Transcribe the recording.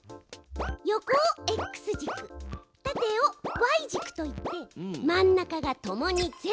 横をＸじく縦をＹじくといって真ん中がともに０。